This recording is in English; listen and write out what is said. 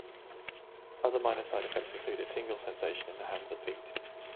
Other minor side effects include a tingle-sensation in hands and feet.